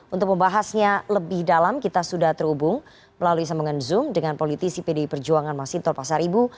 untuk membahasnya lebih dalam kita sudah terhubung melalui sambungan zoom dengan politisi pdi perjuangan masinton pasar ibu